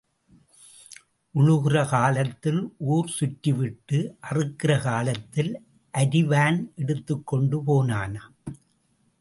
உழுகிற காலத்தில் ஊர் சுற்றிவிட்டு அறுக்கிற காலத்தில் அரிவான் எடுத்துக் கொண்டு போனானாம்.